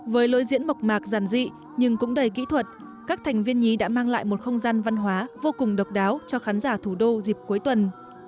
với lối diễn mộc mạc giản dị nhưng cũng đầy kỹ thuật các thành viên nhí đã mang lại một không gian văn hóa vô cùng độc đáo cho khán giả thủ đô dịp cuối tuần